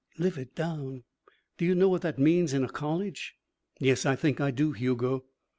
"Live it down! Do you know what that means in a college?" "Yes, I think I do, Hugo."